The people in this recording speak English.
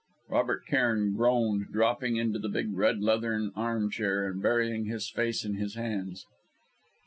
Robert Cairn groaned, dropping into the big red leathern armchair, and burying his face in his hands.